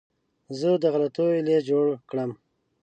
زه د غلطیو لیست جوړ کړم.